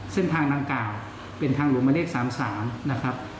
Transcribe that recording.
เส้นทางดังกล่าวเป็นทางหลวงหมายเลข๓๓นะครับ